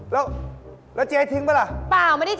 อ๋อแล้วเจ๊ทิ้งป